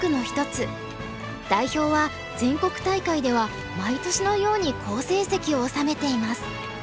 代表は全国大会では毎年のように好成績を収めています。